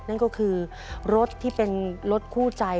นั่นก็คือรถที่เป็นรถคู่ใจ